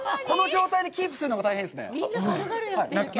この状態でキープするのが大変ですね。